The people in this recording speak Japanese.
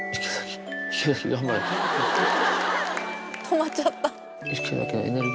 止まっちゃった。